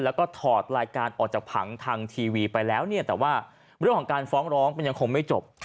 แล้วก็ถอดรายการออกจากผังทางทีวีไปแล้วเนี่ยแต่ว่าเรื่องของการฟ้องร้องมันยังคงไม่จบ